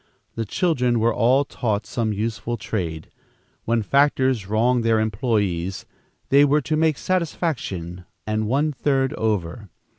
The children were all taught some useful trade. When factors wronged their employees, they were to make satisfaction and one third over.